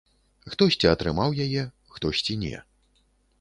Хтосьці атрымаў яе, хтосьці не.